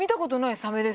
サメです。